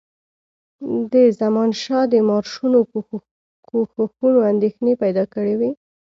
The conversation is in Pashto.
د زمانشاه د مارشونو کوښښونو اندېښنې پیدا کړي وې.